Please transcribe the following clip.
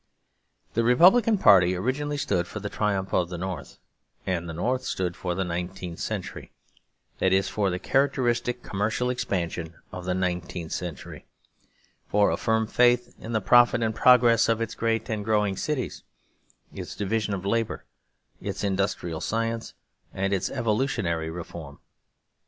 The Republican party originally stood for the triumph of the North, and the North stood for the nineteenth century; that is for the characteristic commercial expansion of the nineteenth century; for a firm faith in the profit and progress of its great and growing cities, its division of labour, its industrial science, and its evolutionary reform.